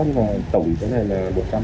nhưng mà tổng giá này là một trăm ba mươi